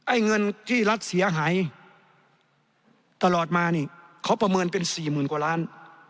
ไอ้เงินที่รัฐเสียหายตลอดมานี่เขาประเมินเป็นสี่หมื่นกว่าล้าน